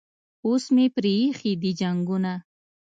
اوس مې پریښي دي جنګونه